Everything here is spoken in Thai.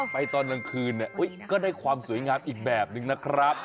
ตอนกลางคืนก็ได้ความสวยงามอีกแบบนึงนะครับ